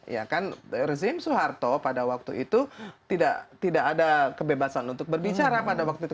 ya kan rezim soeharto pada waktu itu tidak ada kebebasan untuk berbicara pada waktu itu